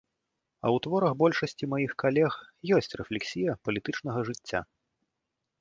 А ў творах большасці маіх калег ёсць рэфлексія палітычнага жыцця.